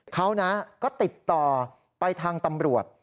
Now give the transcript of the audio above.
เขาก็ติดต่อไปทางตำรวจ